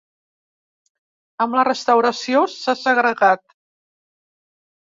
Amb la restauració s'ha segregat.